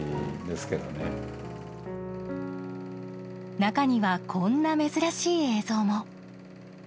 中には、こんな珍しい映像も。